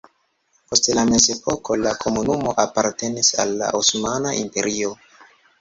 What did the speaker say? Post la mezepoko la komunumo apartenis al la Osmana Imperio.